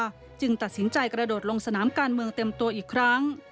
ทฤษฎีสองนคราจึงตัดสินใจกระโดดลงสนามการเมืองเต็มตัวอีกครั้ง